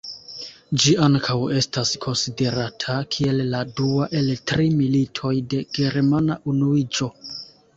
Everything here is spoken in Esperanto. Ĝi ankaŭ estas konsiderata kiel la dua el tri Militoj de Germana Unuiĝo.